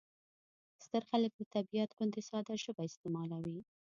ستر خلک د طبیعت غوندې ساده ژبه استعمالوي.